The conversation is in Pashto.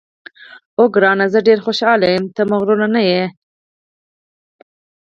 اوه ګرانه، زه ډېره خوشاله یم چې ته مغرور نه یې.